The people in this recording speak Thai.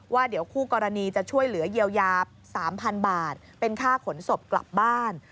ว่าเดี๋ยวคู่กรณีจะช่วยเหลือเยียวยา๓๐๐๐บาทเป็นค่าขนศพกลับบ้าน